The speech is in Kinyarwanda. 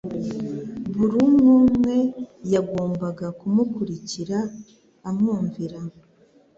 Buri umwe umwe yagombaga kumukurikira amwumvira.